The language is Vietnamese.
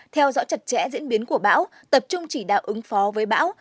theo dõi chặt chẽ diễn biến của bão tập trung chỉ đạo ứng phó với bão